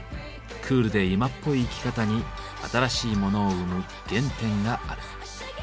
クールで今っぽい生き方に新しいモノを生む原点がある。